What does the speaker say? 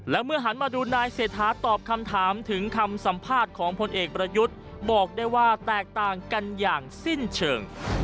และเมื่อหันมาดูนายเศรษฐาตอบคำถามถึงคำสัมภาษณ์ของพลเอกประยุทธ์บอกได้ว่าแตกต่างกันอย่างสิ้นเชิง